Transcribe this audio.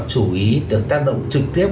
chủ ý được tác động trực tiếp